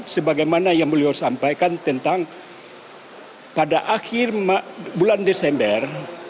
sebagaimana yang beliau sampaikan tentang pada akhir bulan desember